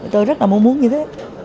tôi rất là mong muốn như thế